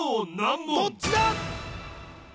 どっちだ？